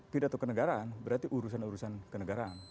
pidato kenegaraan berarti urusan urusan kenegaraan